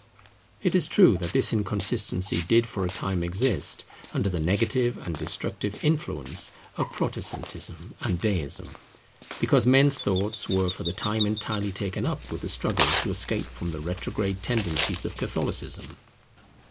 It is true that this inconsistency did for a time exist under the negative and destructive influence of Protestantism and Deism, because men's thoughts were for the time entirely taken up with the struggle to escape from the retrograde tendencies of Catholicism.